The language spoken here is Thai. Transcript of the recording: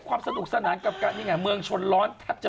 วันนี้หนาวปากสั่นจริงด้วย